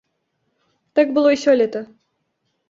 Так было і сёлета.